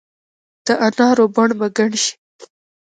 دا نارو بڼ به ګڼ شي